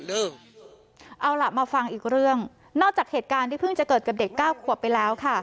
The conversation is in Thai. เอาล่ะมาฟังอีกเรื่องนอกจากเหตุการณ์ที่เพิ่งจะเกิดกับเด็กเก้าขวบไปแล้วค่ะ